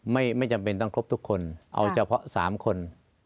ไม่จำเป็นต้องครบทุกคนเอาเฉพาะ๓คน